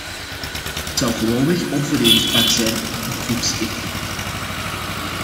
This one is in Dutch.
Dit zou gewoonweg onverenigbaar zijn met de beroepsethiek.